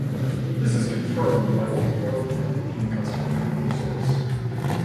This is confirmed by what we know of the Peruvian custom from another source.